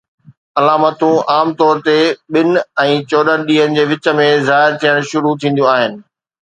علامتون عام طور تي ٻن ۽ چوڏهن ڏينهن جي وچ ۾ ظاهر ٿيڻ شروع ٿينديون آهن